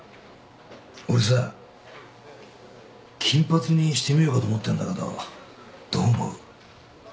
俺さ金髪にしてみようかと思ってんだけどどう思う？